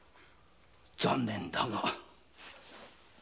残念だが。